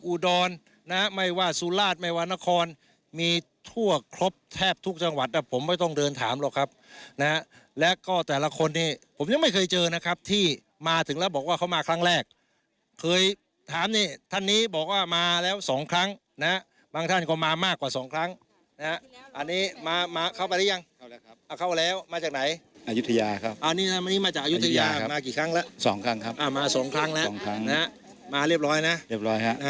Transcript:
อุดรนะฮะไม่ว่าสุราชไม่ว่านครมีทั่วครบแทบทุกจังหวัดอ่ะผมไม่ต้องเดินถามหรอกครับนะฮะแล้วก็แต่ละคนเนี้ยผมยังไม่เคยเจอนะครับที่มาถึงแล้วบอกว่าเขามาครั้งแรกเคยถามนี่ท่านนี้บอกว่ามาแล้วสองครั้งนะฮะบางท่านก็มามากกว่าสองครั้งนะฮะอันนี้มามาเข้าไปแล้วยังเข้าแล้วครับอ่ะเข้าแล้วมาจากไหนอายุทยาครับอ่